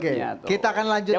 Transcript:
oke kita akan lanjutkan